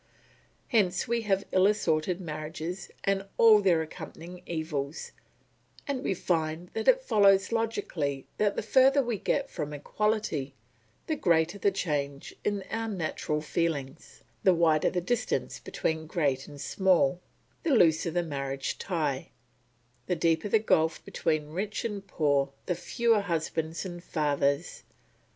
Hence we have ill assorted marriages and all their accompanying evils; and we find that it follows logically that the further we get from equality, the greater the change in our natural feelings; the wider the distance between great and small, the looser the marriage tie; the deeper the gulf between rich and poor the fewer husbands and fathers.